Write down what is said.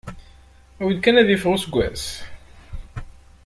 Awi-d kan ad iffeɣ useggas.